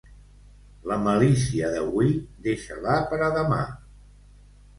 La malícia d'avui, deixa-la per a demà.